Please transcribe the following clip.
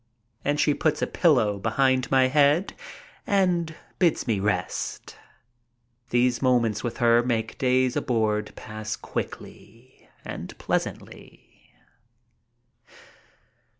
And she puts a pillow behind my head and bids me rest. These moments with her make days aboard pass quickly and pleasantly.